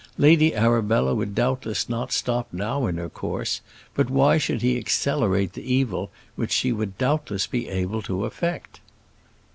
Lady Arabella would doubtless not stop now in her course; but why should he accelerate the evil which she would doubtless be able to effect?